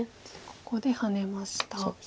ここでハネました。